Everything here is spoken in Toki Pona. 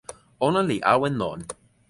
ona li awen lon.